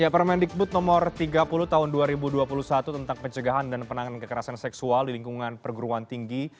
permendikbud nomor tiga puluh tahun dua ribu dua puluh satu tentang pencegahan dan penanganan kekerasan seksual di lingkungan perguruan tinggi